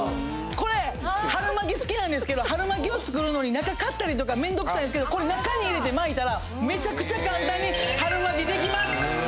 これ春巻き好きなんですけど春巻きを作るのに中買ったりとかめんどくさいですけどこれ中に入れて巻いたらめちゃくちゃ簡単に春巻きできます！